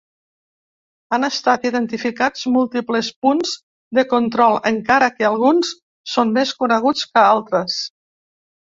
Han estat identificats múltiples punts de control, encara que alguns són més coneguts que altres.